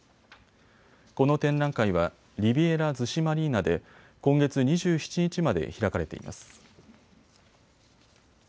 この展覧会はリビエラ逗子マリーナで今月２７日まで開かれています。